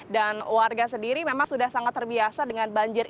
dan warga sendiri memang sudah sangat terbiasa